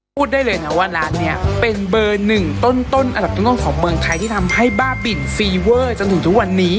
พูดได้เลยนะว่าร้านนี้เป็นเบอร์หนึ่งต้นอันดับต้นของเมืองไทยที่ทำให้บ้าบินฟีเวอร์จนถึงทุกวันนี้